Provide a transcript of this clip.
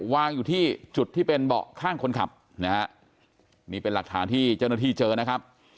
วางอยู่ที่จุดที่เป็นเบาะข้างคนขับนะฮะนี่เป็นหลักฐานที่เจ้าหน้าที่เจอนะครับ